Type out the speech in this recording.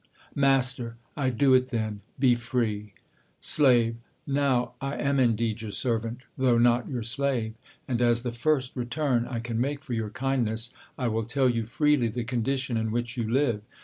J Mast, I do it, then ; be free. Slave, Now I am indeed your servant, though not your slave. And as the first return I can make for your kindness, I will tell you freely the condition in which you live.